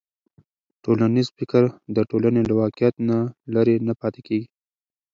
ټولنیز فکر د ټولنې له واقعیت نه لرې نه پاتې کېږي.